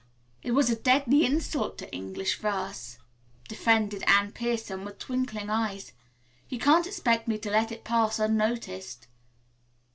"It was a deadly insult to English verse," defended Anne Pierson with twinkling eyes. "You can't expect me to let it pass unnoticed."